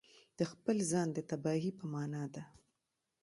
د خپل ځان د تباهي په معنا ده.